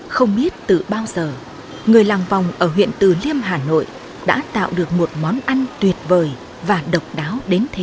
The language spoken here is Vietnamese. không biết từ bao giờ người làng vòng ở huyện từ liêm hà nội đã tạo được một món ăn tuyệt vời và độc đáo đến thế hệ trẻ